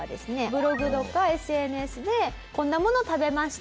ブログとかＳＮＳでこんなものを食べました